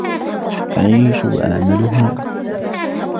أعيش وأعمل هنا.